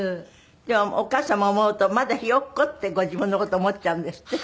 でもお母様を思うとまだひよっこってご自分の事思っちゃうんですって？